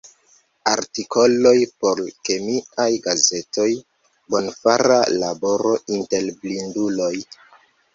Artikoloj por kemiaj gazetoj; bonfara laboro inter blinduloj.